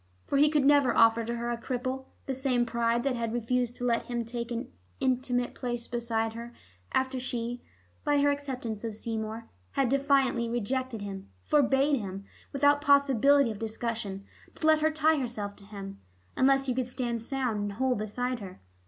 For he could never offer to her a cripple; the same pride that had refused to let him take an intimate place beside her after she, by her acceptance of Seymour, had definitely rejected him, forbade him, without possibility of discussion, to let her tie herself to him, unless he could stand sound and whole beside her.